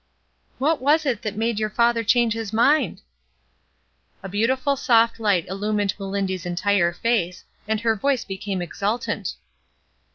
"What was it that made your father change his mind?" A beautiful soft light illumined Melindy's entire face, and her voice became exultant.